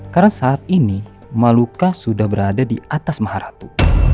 karena saat ini maluca sudah berada di atas maharatu